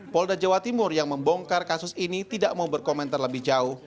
polda jawa timur yang membongkar kasus ini tidak mau berkomentar lebih jauh